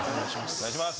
お願いします